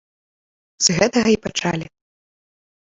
З гэтага й пачалі.